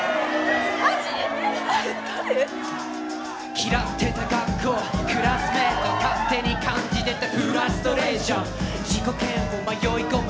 嫌ってた学校、クラスメイト勝手に感じてたフラストレーション自己嫌悪迷い込む